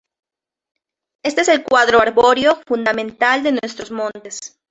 Este es el cuadro arbóreo fundamental de nuestros montes.